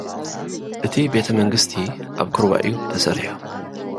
እቲ ቤተ መንግስቲ ኣብ ኵርባ እዩ ተሰሪሑ።